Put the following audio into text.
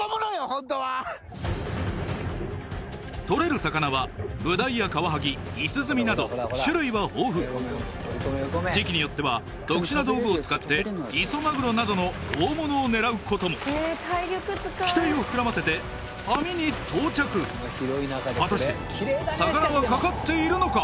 ホントはとれる魚はブダイやカワハギイスズミなど種類は豊富時期によっては特殊な道具を使ってイソマグロなどの大物を狙うことも期待を膨らませて網に到着果たして魚はかかっているのか？